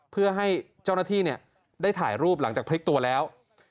เพื่อให้เจ้าหน้าที่ได้ถ่ายรูปหลังจากพลิกตัวแล้ว